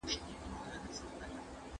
د خلکو د ژوند کچه باید لوړه سي.